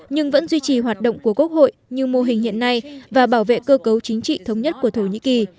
nhưng vẫn duy trì hoạt động của quốc hội như mô hình hiện nay và bảo vệ cơ cấu chính trị thống nhất của thổ nhĩ kỳ